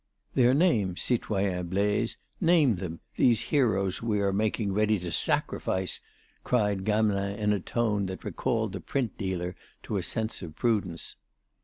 "Their names, citoyen Blaise; name them, these heroes we are making ready to sacrifice!" cried Gamelin in a tone that recalled the print dealer to a sense of prudence.